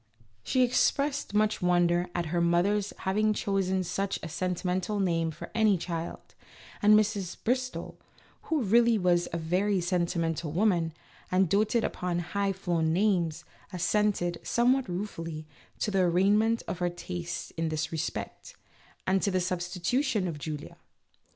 She expressed much wonder at her mother's having chosen such a sentimental name for any child, and Mrs. Bristol, who really was a very sentimental woman and doted upon high flown names, assented, somewhat ruefully, to the arraignment of her taste in this respect, and to the substitution of Julia.